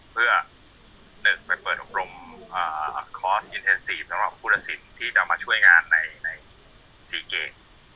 เพื่อ๑ไปเปิดอบรมคอร์สอินเทนซีสำหรับผู้ตัดสินที่จะมาช่วยงานใน๔เกม